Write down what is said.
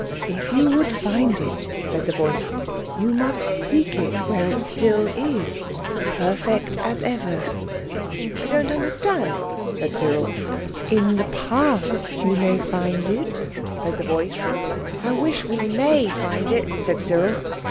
"If you would find it," said the voice, "You must seek it where it still is, perfect as ever." "I don't understand," said Cyril. "In the Past you may find it," said the voice. "I wish we may find it," said Cyril.